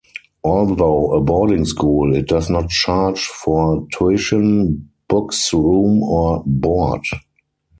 Although a boarding school, it does not charge for tuition, books, room, or board.